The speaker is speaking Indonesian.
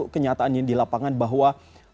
kenyataannya di lapangan bahwa